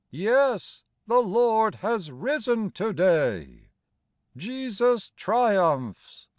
Yes, the Lord has risen to day. Jesus triumphs